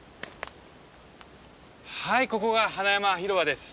はいここが花山広場です。